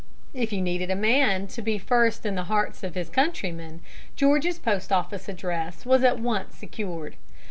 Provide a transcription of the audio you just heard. If you needed a man to be first in the hearts of his countrymen, George's post office address was at once secured.